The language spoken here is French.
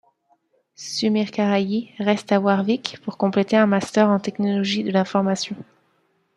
Sumir Karayi reste à Warwick pour compléter un Master en Technologies de l'information.